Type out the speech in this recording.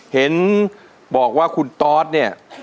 เห็นบอกว่าคุณตอสเนี่ย